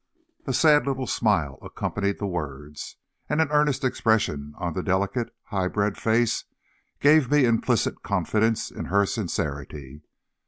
A sad little smile accompanied the words, and an earnest expression on the delicate, high bred face gave me implicit confidence in her sincerity.